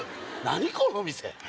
何⁉この店！